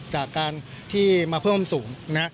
จากการที่มาเพิ่มสูงนะ